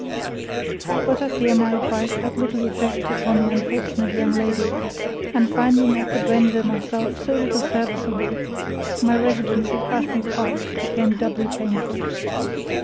But I fear my advice had little effect upon the unfortunate young lady; and, finding I could render myself so little serviceable, my residence at Ashby Park became doubly painful.